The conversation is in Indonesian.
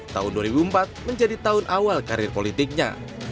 tahun dua ribu empat menjadi tahun awal karir politiknya